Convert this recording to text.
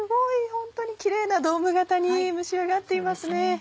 ホントにキレイなドーム型に蒸し上がっていますね。